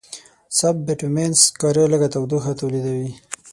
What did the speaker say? سب بټومینس سکاره لږ تودوخه تولیدوي.